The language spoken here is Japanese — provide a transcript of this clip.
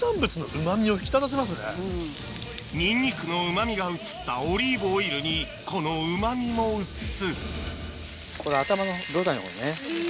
ニンニクのうまみが移ったオリーブオイルにこのうまみも移すこれは頭の胴体の方ね。